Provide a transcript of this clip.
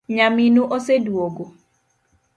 Nyaminu oseduogo?'